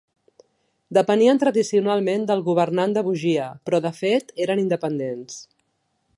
Depenien tradicionalment del governant de Bugia però de fet eren independents.